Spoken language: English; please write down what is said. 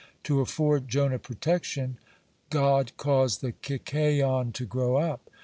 To afford Jonah protection, God caused the kikayon to grow up.